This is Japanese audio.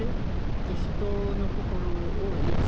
で人の心を癒す。